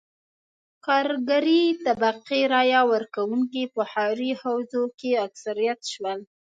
کارګرې طبقې رایه ورکوونکي په ښاري حوزو کې اکثریت شول.